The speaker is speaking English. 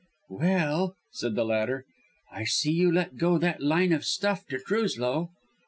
"Well," said the latter, "I see you let go that line of stuff to Truslow."